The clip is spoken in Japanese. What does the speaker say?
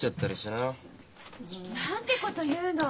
なんてこと言うの！